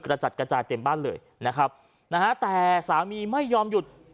กระจัดกระจายเต็มบ้านเลยนะครับนะฮะแต่สามีไม่ยอมหยุด